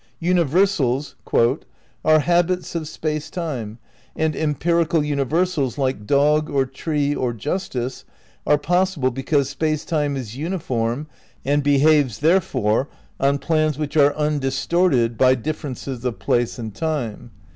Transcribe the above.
Universals "are habits of Space Time, and empirical universals like dog or tree or justice are possible because Space Time is uniform and behaves therefore on plans which are undistorted by differences of place and time."